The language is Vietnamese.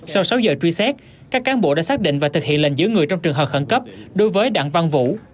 sau sáu giờ truy xét các cán bộ đã xác định và thực hiện lệnh giữ người trong trường hợp khẩn cấp đối với đặng văn vũ